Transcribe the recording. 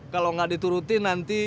kalo gak diturutin nanti